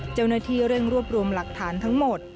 เจ้าหน้าที่เร่งรวบรวมหลักฐานทั้งหมด